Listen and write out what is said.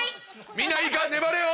みんないいか粘れよ。